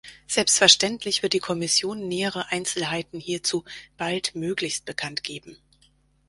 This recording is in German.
Selbstverständlich wird die Kommission nähere Einzelheiten hierzu baldmöglichst bekannt geben.